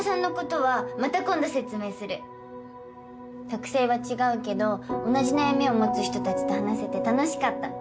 特性は違うけど同じ悩みを持つ人たちと話せて楽しかった。